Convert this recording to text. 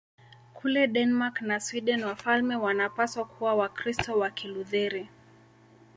Kule Denmark na Sweden wafalme wanapaswa kuwa Wakristo wa Kilutheri.